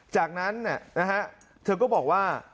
จากนั้นนะฮะเธอก็บอกว่า